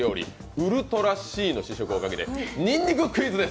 ウルトラ椎の試食をかけてにんにくクイズです！